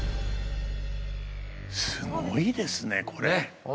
すごいですねこれ。ね